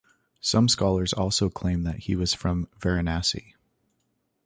Some scholars also claim that he was from Varanasi.